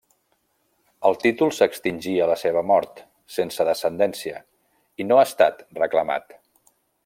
El títol s'extingí a la seva mort, sense descendència, i no ha estat reclamat.